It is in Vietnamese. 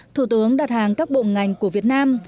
thủ tướng đặt hàng các bộ ngành của việt nam